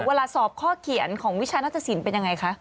เวลาสอบข้อเขียนของวิชานัตตสินเป็นยังไงคะ